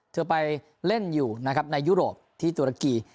เธอไปเล่นอยู่นะครับในยุโรปที่ตุรกี